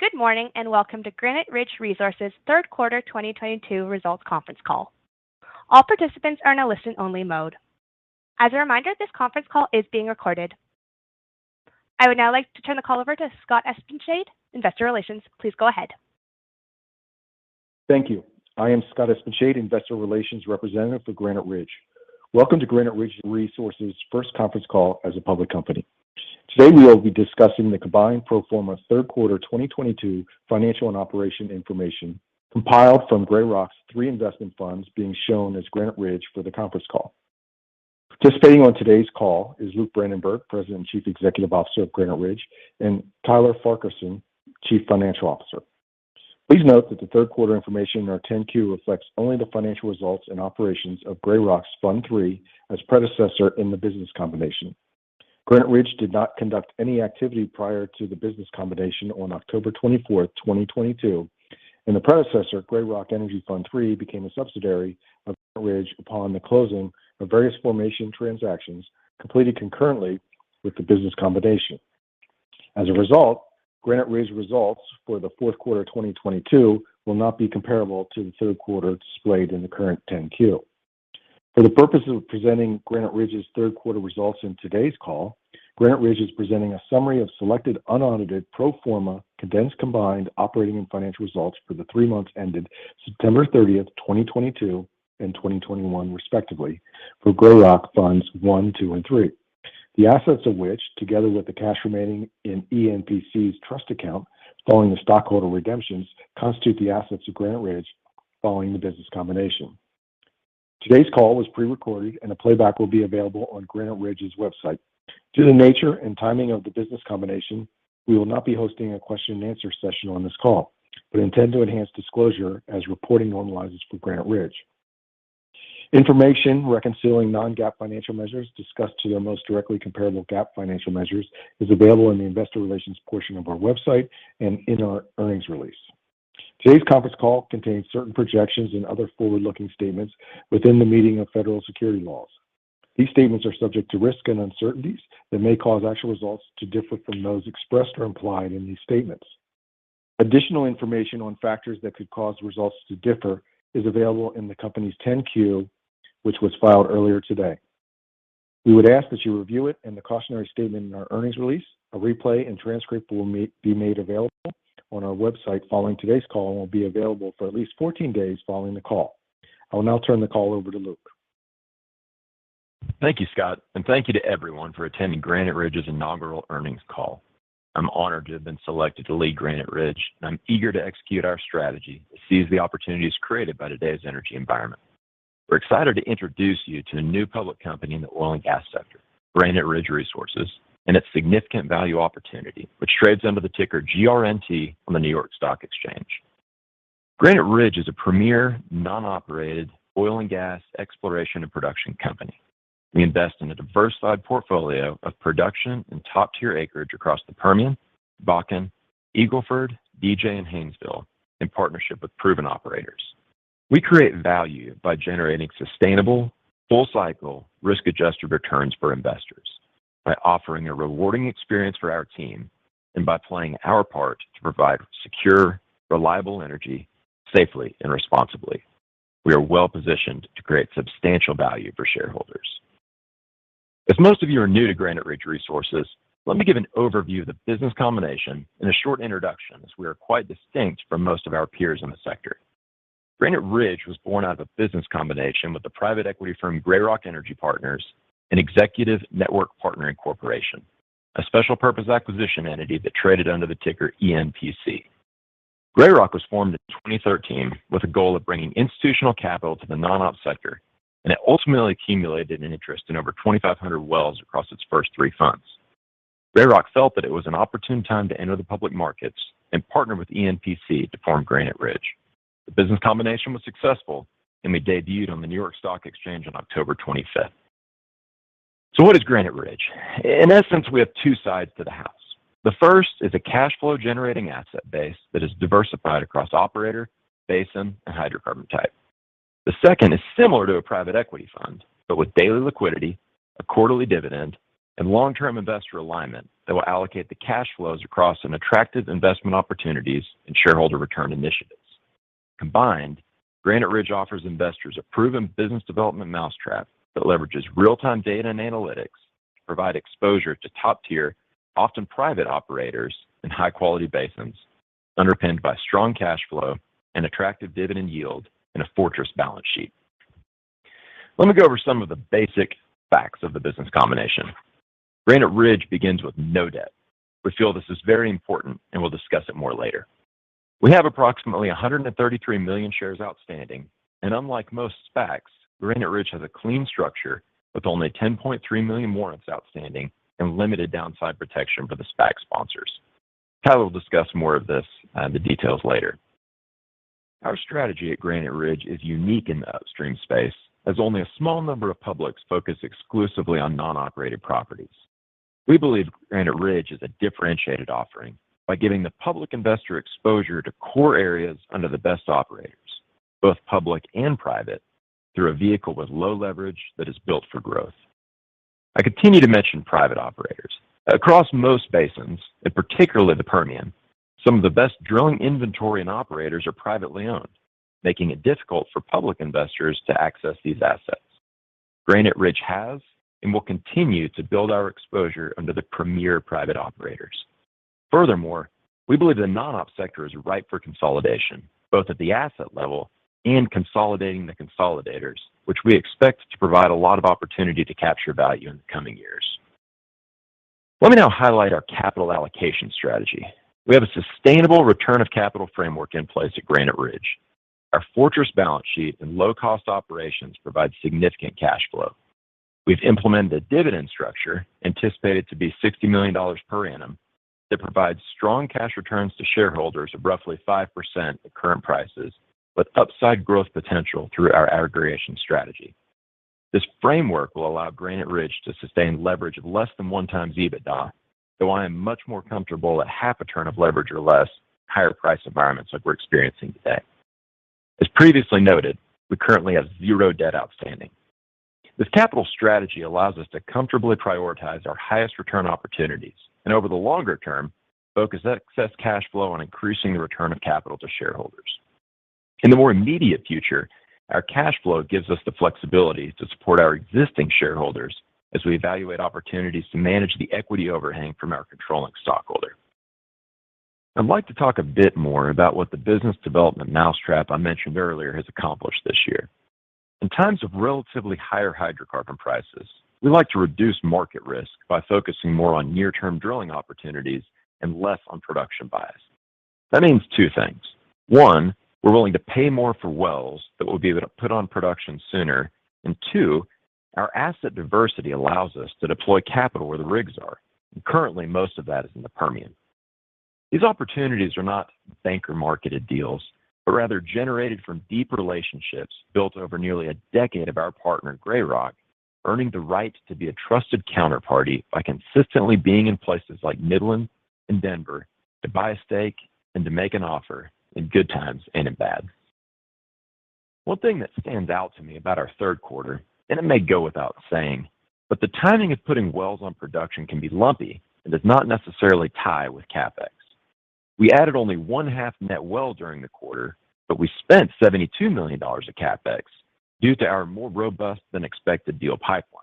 Good morning, and welcome to Granite Ridge Resources third quarter 2022 results conference call. All participants are in a listen only mode. As a reminder, this conference call is being recorded. I would now like to turn the call over to Scott Espenscheid, Investor Relations. Please go ahead. Thank you. I am Scott Espenscheid, Investor Relations representative for Granite Ridge. Welcome to Granite Ridge Resources first conference call as a public company. Today, we will be discussing the combined pro forma third quarter 2022 financial and operational information compiled from Grey Rock's three investment funds being shown as Granite Ridge for the conference call. Participating on today's call is Luke Brandenberg, President and Chief Executive Officer of Granite Ridge, and Tyler Farquharson, Chief Financial Officer. Please note that the third quarter information in our 10-Q reflects only the financial results and operations of Grey Rock's Fund III as predecessor in the business combination. Granite Ridge did not conduct any activity prior to the business combination on October 24, 2022, and the predecessor, Grey Rock Energy Fund III, became a subsidiary of Granite Ridge upon the closing of various formation transactions completed concurrently with the business combination. As a result, Granite Ridge results for the fourth quarter 2022 will not be comparable to the third quarter displayed in the current 10-Q. For the purpose of presenting Granite Ridge's third quarter results in today's call, Granite Ridge is presenting a summary of selected unaudited pro forma condensed combined operating and financial results for the three months ended September 30, 2022 and 2021 respectively for Grey Rock Funds I, II and III. The assets of which, together with the cash remaining in ENPC's trust account following the stockholder redemptions, constitute the assets of Granite Ridge following the business combination. Today's call is pre-recorded and a playback will be available on Granite Ridge's website. Due to the nature and timing of the business combination, we will not be hosting a question and answer session on this call, but intend to enhance disclosure as reporting normalizes for Granite Ridge. Information reconciling non-GAAP financial measures discussed to their most directly comparable GAAP financial measures is available in the investor relations portion of our website and in our earnings release. Today's conference call contains certain projections and other forward-looking statements within the meaning of federal securities laws. These statements are subject to risk and uncertainties that may cause actual results to differ from those expressed or implied in these statements. Additional information on factors that could cause results to differ is available in the company's 10-Q, which was filed earlier today. We would ask that you review it and the cautionary statement in our earnings release. A replay and transcript will be made available on our website following today's call and will be available for at least 14 days following the call. I will now turn the call over to Luke. Thank you, Scott, and thank you to everyone for attending Granite Ridge's inaugural earnings call. I'm honored to have been selected to lead Granite Ridge, and I'm eager to execute our strategy that seize the opportunities created by today's energy environment. We're excited to introduce you to the new public company in the oil and gas sector, Granite Ridge Resources, and its significant value opportunity, which trades under the ticker GRNT on the New York Stock Exchange. Granite Ridge is a premier non-operated oil and gas exploration and production company. We invest in a diversified portfolio of production and top-tier acreage across the Permian, Bakken, Eagle Ford, DJ, and Haynesville in partnership with proven operators. We create value by generating sustainable, full cycle, risk-adjusted returns for investors by offering a rewarding experience for our team and by playing our part to provide secure, reliable energy safely and responsibly. We are well-positioned to create substantial value for shareholders. As most of you are new to Granite Ridge Resources, let me give an overview of the business combination and a short introduction as we are quite distinct from most of our peers in the sector. Granite Ridge was born out of a business combination with the private equity firm, Grey Rock Energy Partners and Executive Network Partnering Corporation, a special purpose acquisition entity that traded under the ticker ENPC. Grey Rock was formed in 2013 with a goal of bringing institutional capital to the non-op sector, and it ultimately accumulated an interest in over 2,500 wells across its first three funds. Grey Rock felt that it was an opportune time to enter the public markets and partner with ENPC to form Granite Ridge. The business combination was successful, and we debuted on the New York Stock Exchange on October 25th. What is Granite Ridge? In essence, we have two sides to the house. The first is a cash flow generating asset base that is diversified across operator, basin, and hydrocarbon type. The second is similar to a private equity fund, but with daily liquidity, a quarterly dividend, and long-term investor alignment that will allocate the cash flows across some attractive investment opportunities and shareholder return initiatives. Combined, Granite Ridge offers investors a proven business development mousetrap that leverages real-time data and analytics to provide exposure to top-tier, often private operators in high-quality basins, underpinned by strong cash flow and attractive dividend yield, and a fortress balance sheet. Let me go over some of the basic facts of the business combination. Granite Ridge begins with no debt. We feel this is very important, and we'll discuss it more later. We have approximately 133 million shares outstanding, and unlike most SPACs, Granite Ridge has a clean structure with only 10.3 million warrants outstanding and limited downside protection for the SPAC sponsors. Tyler will discuss more of this, the details later. Our strategy at Granite Ridge is unique in the upstream space, as only a small number of publics focus exclusively on non-operated properties. We believe Granite Ridge is a differentiated offering by giving the public investor exposure to core areas under the best operators, both public and private, through a vehicle with low leverage that is built for growth. I continue to mention private operators. Across most basins, and particularly the Permian, some of the best drilling inventory and operators are privately owned, making it difficult for public investors to access these assets. Granite Ridge has and will continue to build our exposure under the premier private operators. Furthermore, we believe the non-op sector is ripe for consolidation, both at the asset level and consolidating the consolidators, which we expect to provide a lot of opportunity to capture value in the coming years. Let me now highlight our capital allocation strategy. We have a sustainable return of capital framework in place at Granite Ridge. Our fortress balance sheet and low cost operations provide significant cash flow. We've implemented a dividend structure anticipated to be $60 million per annum that provides strong cash returns to shareholders of roughly 5% at current prices, with upside growth potential through our aggregation strategy. This framework will allow Granite Ridge to sustain leverage of less than one times EBITDA, though I am much more comfortable at half a turn of leverage or less in higher price environments like we're experiencing today. As previously noted, we currently have zero debt outstanding. This capital strategy allows us to comfortably prioritize our highest return opportunities and over the longer term, focus that excess cash flow on increasing the return of capital to shareholders. In the more immediate future, our cash flow gives us the flexibility to support our existing shareholders as we evaluate opportunities to manage the equity overhang from our controlling stockholder. I'd like to talk a bit more about what the business development mousetrap I mentioned earlier has accomplished this year. In times of relatively higher hydrocarbon prices, we like to reduce market risk by focusing more on near-term drilling opportunities and less on production bias. That means two things. One, we're willing to pay more for wells that we'll be able to put on production sooner. Two, our asset diversity allows us to deploy capital where the rigs are. Currently, most of that is in the Permian. These opportunities are not banker-marketed deals, but rather generated from deep relationships built over nearly a decade of our partner, Grey Rock, earning the right to be a trusted counterparty by consistently being in places like Midland and Denver to buy a stake and to make an offer in good times and in bad. One thing that stands out to me about our third quarter, and it may go without saying, but the timing of putting wells on production can be lumpy and does not necessarily tie with CapEx. We added only 0.5 net well during the quarter, but we spent $72 million of CapEx due to our more robust than expected deal pipeline.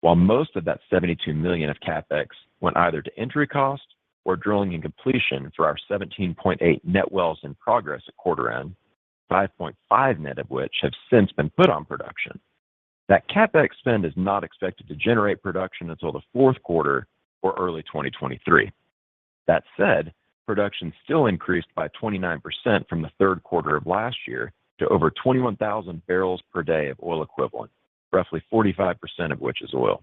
While most of that $72 million of CapEx went either to entry cost or drilling and completion for our 17.8 net wells in progress at quarter end, 5.5 net of which have since been put on production. That CapEx spend is not expected to generate production until the fourth quarter or early 2023. That said, production still increased by 29% from the third quarter of last year to over 21,000 barrels per day of oil equivalent, roughly 45% of which is oil.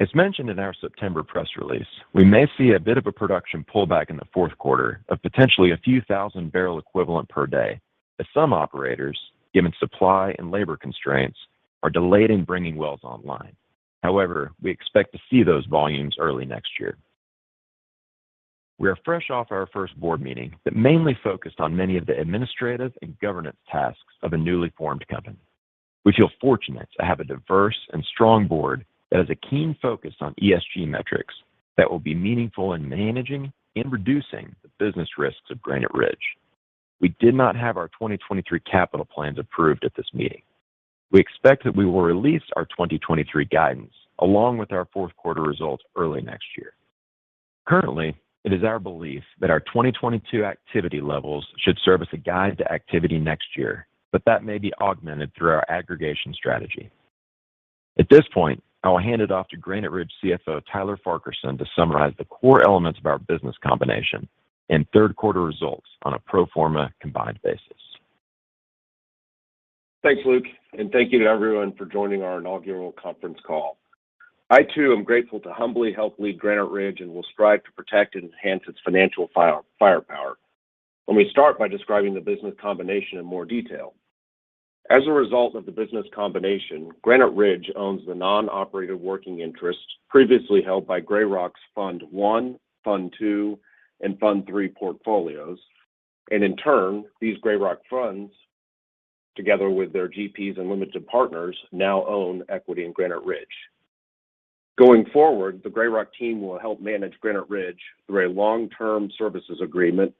As mentioned in our September press release, we may see a bit of a production pullback in the fourth quarter of potentially a few thousand barrels of oil equivalent per day, as some operators, given supply and labor constraints, are delayed in bringing wells online. However, we expect to see those volumes early next year. We are fresh off our first board meeting that mainly focused on many of the administrative and governance tasks of a newly formed company. We feel fortunate to have a diverse and strong board that has a keen focus on ESG metrics that will be meaningful in managing and reducing the business risks of Granite Ridge. We did not have our 2023 capital plans approved at this meeting. We expect that we will release our 2023 guidance along with our fourth quarter results early next year. Currently, it is our belief that our 2022 activity levels should serve as a guide to activity next year, but that may be augmented through our aggregation strategy. At this point, I will hand it off to Granite Ridge CFO Tyler Farquharson to summarize the core elements of our business combination and third quarter results on a pro forma combined basis. Thanks, Luke, and thank you to everyone for joining our inaugural conference call. I, too, am grateful to humbly help lead Granite Ridge and will strive to protect and enhance its financial firepower. Let me start by describing the business combination in more detail. As a result of the business combination, Granite Ridge owns the non-operated working interest previously held by Grey Rock's Fund I, Fund II, and Fund III portfolios. In turn, these Grey Rock funds, together with their GPs and limited partners, now own equity in Granite Ridge. Going forward, the Grey Rock team will help manage Granite Ridge through a long-term services agreement,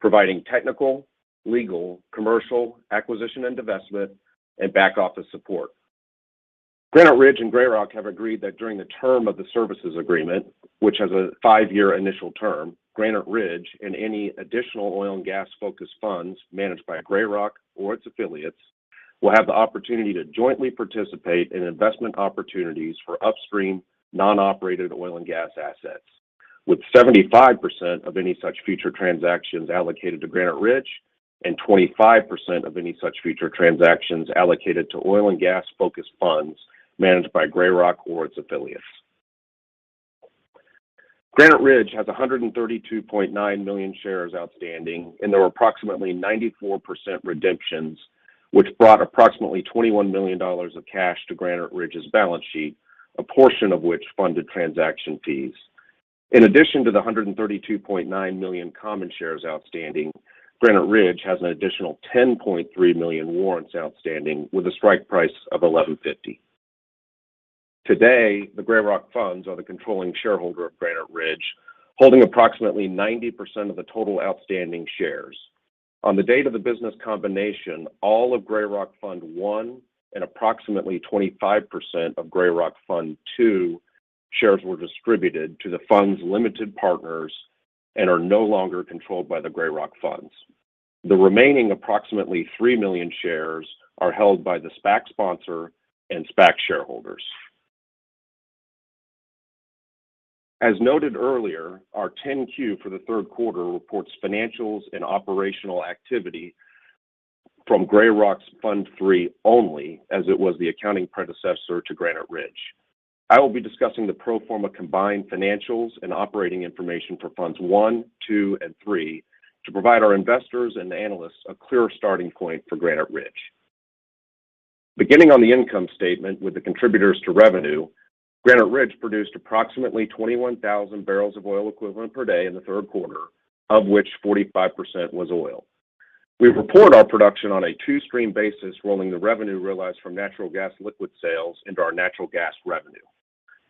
providing technical, legal, commercial, acquisition and divestment, and back office support. Granite Ridge and Grey Rock have agreed that during the term of the services agreement, which has a five year initial term, Granite Ridge and any additional oil and gas focused funds managed by Grey Rock or its affiliates will have the opportunity to jointly participate in investment opportunities for upstream non-operated oil and gas assets, with 75% of any such future transactions allocated to Granite Ridge and 25% of any such future transactions allocated to oil and gas focused funds managed by Grey Rock or its affiliates. Granite Ridge has 132.9 million shares outstanding, and there were approximately 94% redemptions, which brought approximately $21 million of cash to Granite Ridge's balance sheet, a portion of which funded transaction fees. In addition to the 132.9 million common shares outstanding, Granite Ridge has an additional 10.3 million warrants outstanding with a strike price of $11.50. Today, the Grey Rock funds are the controlling shareholder of Granite Ridge, holding approximately 90% of the total outstanding shares. On the date of the business combination, all of Grey Rock Fund I and approximately 25% of Grey Rock Fund II shares were distributed to the fund's limited partners and are no longer controlled by the Grey Rock funds. The remaining approximately 3 million shares are held by the SPAC sponsor and SPAC shareholders. As noted earlier, our 10-Q for the third quarter reports financials and operational activity from Grey Rock's Fund III only as it was the accounting predecessor to Granite Ridge. I will be discussing the pro forma combined financials and operating information for funds I, II, and III to provide our investors and analysts a clear starting point for Granite Ridge. Beginning on the income statement with the contributors to revenue, Granite Ridge produced approximately 21,000 barrels of oil equivalent per day in the third quarter, of which 45% was oil. We report our production on a two-stream basis, rolling the revenue realized from natural gas liquid sales into our natural gas revenue.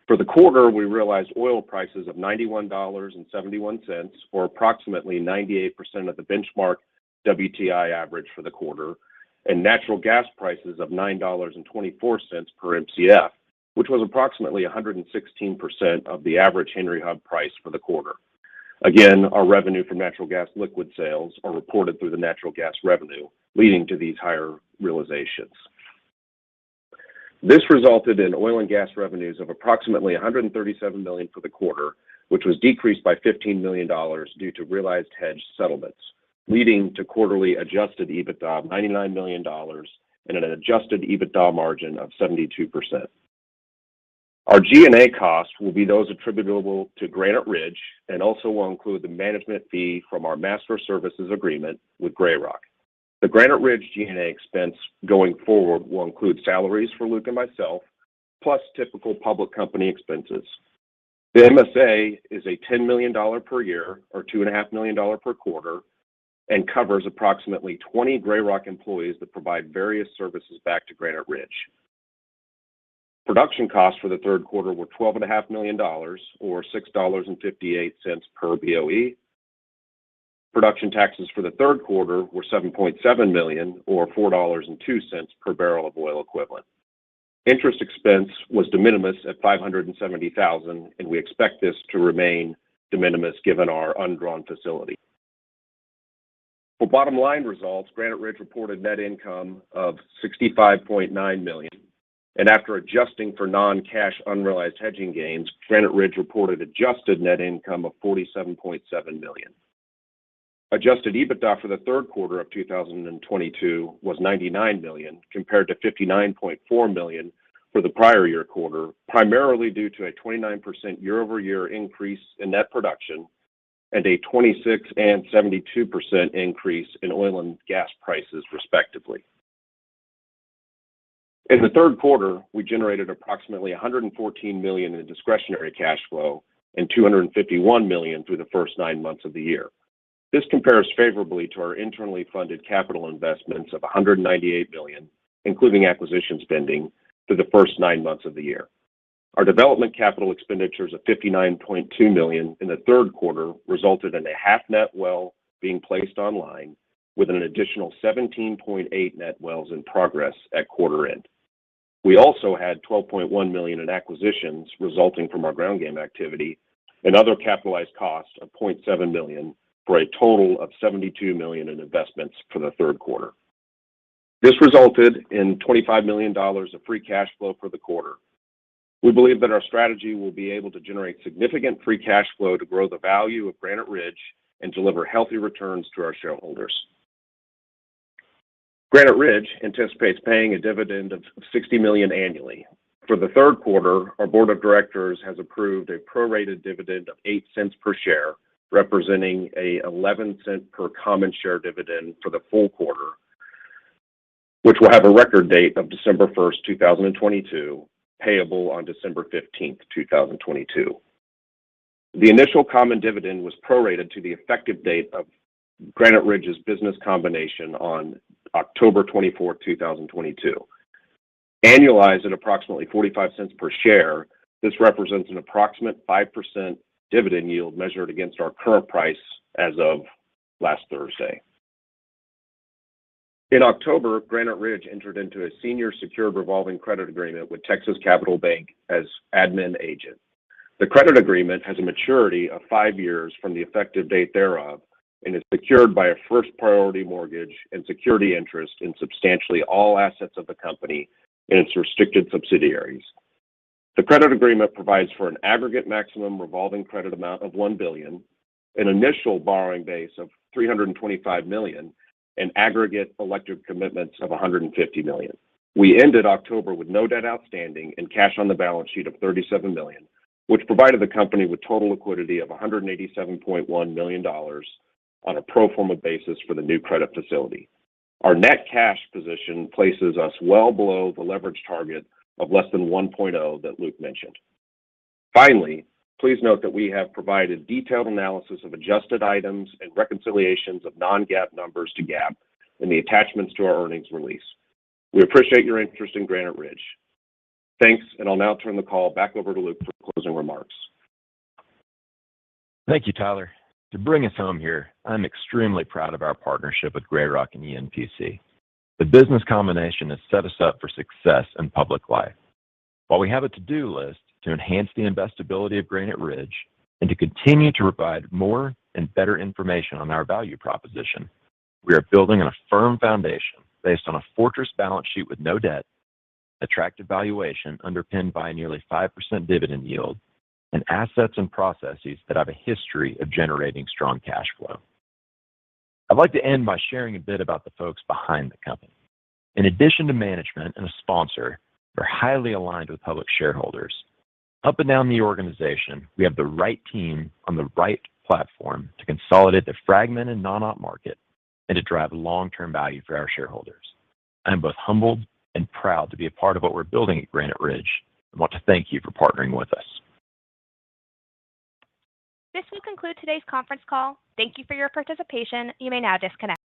For the quarter, we realized oil prices of $91.71, or approximately 98% of the benchmark WTI average for the quarter, and natural gas prices of $9.24 per MCF, which was approximately 116% of the average Henry Hub price for the quarter. Again, our revenue from natural gas liquid sales are reported through the natural gas revenue, leading to these higher realizations. This resulted in oil and gas revenues of approximately $137 million for the quarter, which was decreased by $15 million due to realized hedge settlements, leading to quarterly adjusted EBITDA of $99 million and an adjusted EBITDA margin of 72%. Our G&A costs will be those attributable to Granite Ridge and also will include the management fee from our master services agreement with Grey Rock. The Granite Ridge G&A expense going forward will include salaries for Luke and myself, plus typical public company expenses. The MSA is a $10 million per year or $2.5 million per quarter and covers approximately 20 Grey Rock employees that provide various services back to Granite Ridge. Production costs for the third quarter were $12.5 million or $6.58 per BOE. Production taxes for the third quarter were $7.7 million or $4.02 per barrel of oil equivalent. Interest expense was de minimis at $570 thousand, and we expect this to remain de minimis given our undrawn facility. For bottom line results, Granite Ridge reported net income of $65.9 million. After adjusting for non-cash unrealized hedging gains, Granite Ridge reported adjusted net income of $47.7 million. Adjusted EBITDA for the third quarter of 2022 was $99 million compared to $59.4 million for the prior year quarter, primarily due to a 29% year-over-year increase in net production and a 26% and 72% increase in oil and gas prices, respectively. In the third quarter, we generated approximately $114 million in discretionary cash flow and $251 million through the first nine months of the year. This compares favorably to our internally funded capital investments of $198 million, including acquisition spending, through the first nine months of the year. Our development capital expenditures of $59.2 million in the third quarter resulted in a half net well being placed online with an additional 17.8 net wells in progress at quarter end. We also had $12.1 million in acquisitions resulting from our ground game activity and other capitalized costs of $0.7 million for a total of $72 million in investments for the third quarter. This resulted in $25 million of free cash flow for the quarter. We believe that our strategy will be able to generate significant free cash flow to grow the value of Granite Ridge and deliver healthy returns to our shareholders. Granite Ridge anticipates paying a dividend of 60 million annually. For the third quarter, our board of directors has approved a prorated dividend of $0.08 per share, representing a $0.11 per common share dividend for the full quarter, which will have a record date of December 1, 2022, payable on December 15, 2022. The initial common dividend was prorated to the effective date of Granite Ridge's business combination on October 24, 2022. Annualized at approximately $0.45 per share, this represents an approximate 5% dividend yield measured against our current price as of last Thursday. In October, Granite Ridge entered into a senior secured revolving credit agreement with Texas Capital Bank as administrative agent. The credit agreement has a maturity of five years from the effective date thereof and is secured by a first priority mortgage and security interest in substantially all assets of the company and its restricted subsidiaries. The credit agreement provides for an aggregate maximum revolving credit amount of $1 billion, an initial borrowing base of $325 million, and aggregate elective commitments of $150 million. We ended October with no debt outstanding and cash on the balance sheet of $37 million, which provided the company with total liquidity of $187.1 million on a pro forma basis for the new credit facility. Our net cash position places us well below the leverage target of less than 1.0 that Luke mentioned. Finally, please note that we have provided detailed analysis of adjusted items and reconciliations of non-GAAP numbers to GAAP in the attachments to our earnings release. We appreciate your interest in Granite Ridge. Thanks, and I'll now turn the call back over to Luke for closing remarks. Thank you, Tyler. To bring us home here, I'm extremely proud of our partnership with Grey Rock and ENPC. The business combination has set us up for success in public life. While we have a to-do list to enhance the investability of Granite Ridge and to continue to provide more and better information on our value proposition, we are building on a firm foundation based on a fortress balance sheet with no debt, attractive valuation underpinned by a nearly 5% dividend yield, and assets and processes that have a history of generating strong cash flow. I'd like to end by sharing a bit about the folks behind the company. In addition to management and a sponsor, we're highly aligned with public shareholders. Up and down the organization, we have the right team on the right platform to consolidate the fragmented and non-op market and to drive long-term value for our shareholders. I am both humbled and proud to be a part of what we're building at Granite Ridge and want to thank you for partnering with us. This will conclude today's conference call. Thank you for your participation. You may now disconnect.